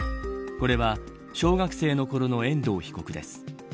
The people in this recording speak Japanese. これは小学生のころの遠藤被告です。